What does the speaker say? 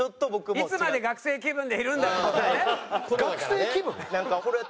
いつまで学生気分でいるんだっていう事よね？